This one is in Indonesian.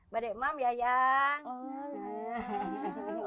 badek mam yayang